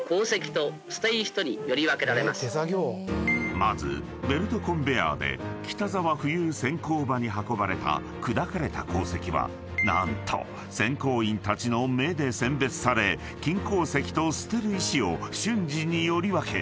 ［まずベルトコンベヤーで北沢浮遊選鉱場に運ばれた砕かれた鉱石は何と選鉱員たちの目で選別され金鉱石と捨てる石を瞬時により分け］